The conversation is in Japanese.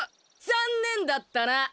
残念だったな。